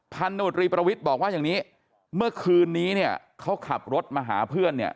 โนตรีประวิทย์บอกว่าอย่างนี้เมื่อคืนนี้เนี่ยเขาขับรถมาหาเพื่อนเนี่ย